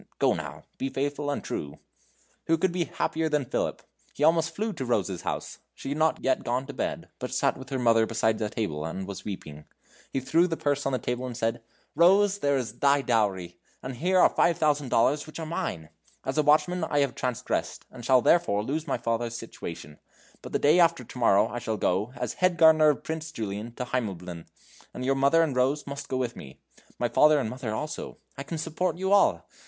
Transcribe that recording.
Go, now; be faithful and true!" Who could be happier than Philip! He almost flew to Rose's house. She had not yet gone to bed, but sat with her mother beside a table, and was weeping. He threw the purse on the table and said: "Rose, there is thy dowry! and here are five thousand dollars, which are mine! As a watchman I have transgressed, and shall therefore lose my father's situation; but the day after to morrow I shall go, as head gardener of Prince Julian, to Heimleben. And you, mother and Rose, must go with me. My father and mother also. I can support you all.